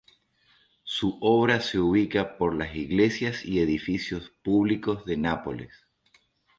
Su obra se ubica por las iglesias y edificios públicos de Nápoles.